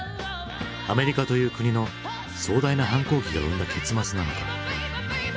アメリカという国の壮大な反抗期が生んだ結末なのか？